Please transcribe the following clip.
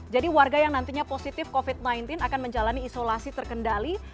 jadi warga yang nantinya positif covid sembilan belas akan menjalani isolasi terkendali